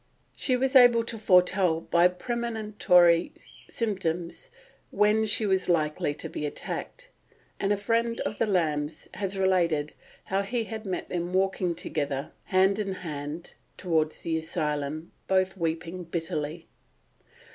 She was able to foretell, by premonitory symptoms, when she was likely to be attacked; and a friend of the Lambs has related how he had met them walking together, hand in hand, towards the asylum, both weeping bitterly.